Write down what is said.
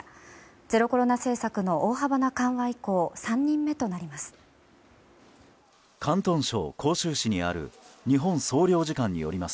ゼロコロナ政策の大幅な緩和以降３人目となります。